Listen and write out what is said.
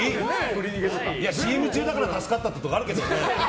ＣＭ中だから助かったのもあるけどね。